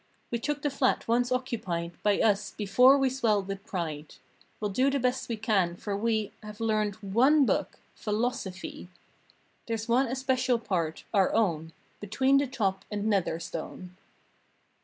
We took the flat once occupied By us before we swelled with pride We'll do the best we can, for we Have learned one book —philosophy I There's one especial part—our own— "Between the top and nether stone."